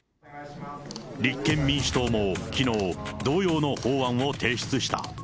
立憲民主党もきのう、同様の法案を提出した。